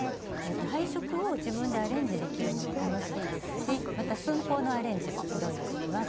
配色を自分でアレンジできるのも楽しいですしまた寸法のアレンジもいろいろできます。